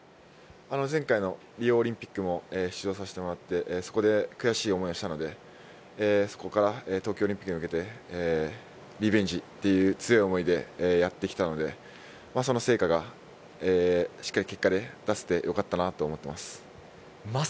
前回のリオオリンピックも出場させてもらって、そこで悔しい思いをしたので、そこから東京オリンピックに向けて、リベンジっていう強い思いでやってきたので、その成果がしっかり結果で出せてよかったなと思っています。